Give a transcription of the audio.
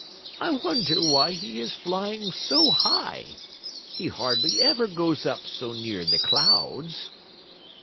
"I wonder why he is flying so high? He hardly ever goes up so near the clouds.